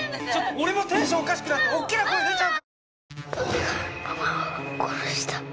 俺もテンションおかしくなって大っきな声出ちゃう。